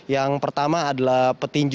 yang pertama adalah petinju